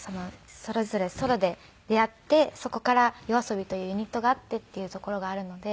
それぞれソロで出会ってそこからＹＯＡＳＯＢＩというユニットがあってっていうところがあるので。